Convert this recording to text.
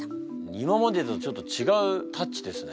今までとちょっと違うタッチですね。